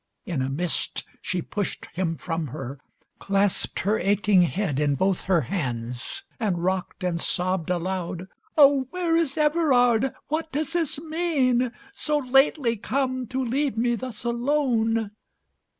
In a mist She pushed him from her, clasped her aching head In both her hands, and rocked and sobbed aloud. "Oh! Where is Everard? What does this mean? So lately come to leave me thus alone!"